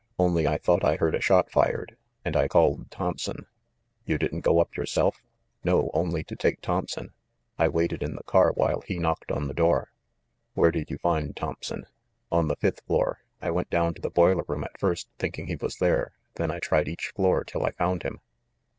Only, I thought I heard a shot fired, and I called Thompson." "You didn't go up yourself ?" "No, only to take Thompson. I waited in the car while he knocked on the door." "Where did you find Thompson?" "On the fifth floor. I went down to the boiler room at first, thinking he was there ; then I tried each floor till I found him."